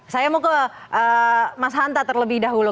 saya mau ke mas hanta terlebih dahulu